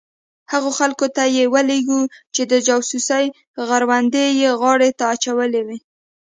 هغو خلکو ته یې ولېږو چې د جاسوسۍ غړوندی یې غاړې ته اچولي وو.